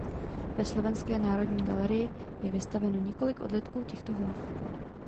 Ve Slovenské národní galerii je vystaveno několik odlitků těchto hlav.